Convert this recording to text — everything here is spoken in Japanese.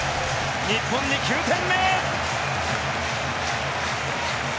日本に９点目！